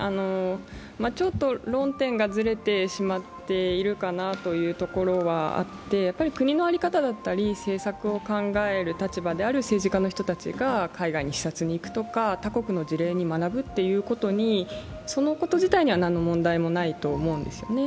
ちょっと論点がずれてしまっているかなというところはあって、国の在り方だったり政策を考える立場である政治家の方が海外に視察に行くとか他国の事例に学ぶということ、そのこと自体には何の問題もないと思うんですよね。